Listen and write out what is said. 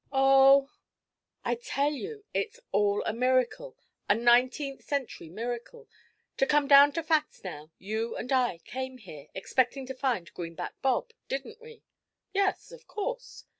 'Oh ' 'I tell you it's all a miracle, a nineteenth century miracle! To come down to facts, now, you and I came here expecting to find Greenback Bob, didn't we?' 'Yes, of course.'